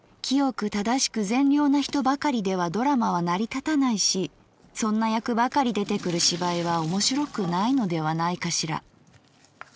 清く正しく善良な人ばかりではドラマは成り立たないしそんな役ばかり出てくる芝居は面白くないのではないかしら。